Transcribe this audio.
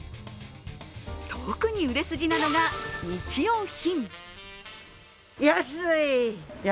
特に売れ筋なのが日用品。